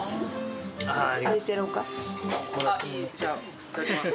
いただきます。